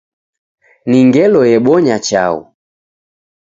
Ni ngelo ebonya chaghu.